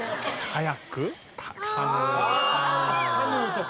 カヌーとか。